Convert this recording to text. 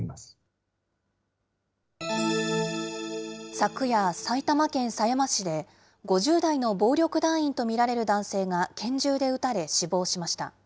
昨夜、埼玉県狭山市で、５０代の暴力団員と見られる男性が拳銃で撃たれ、死亡しました。